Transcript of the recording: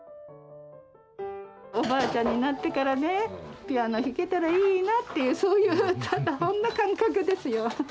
おばあちゃんになってからねピアノ弾けたらいいなっていうそういうただそんな感覚ですよ。